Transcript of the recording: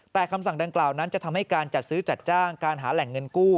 แต่คำสั่งดังกล่าวนั้นจะทำให้การจัดซื้อจัดจ้างการหาแหล่งเงินกู้